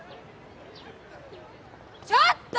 ちょっと！